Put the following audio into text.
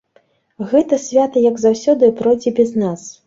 Гэта свята, як заўсёды, пройдзе без нас.